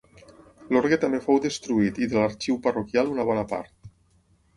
L'orgue també fou destruït i de l'Arxiu Parroquial una bona part.